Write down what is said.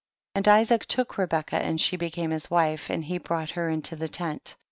44. And Isaac took Rebecca and she became his wife, and he brought her into the tent.